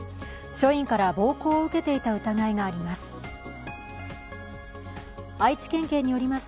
署員から暴行を受けていた疑いがあります。